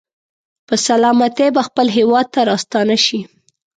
په سلامتۍ به خپل هېواد ته راستانه شي.